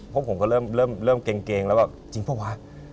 พวกผมก็เริ่มเกร็งแล้วว่าจริงปะวะ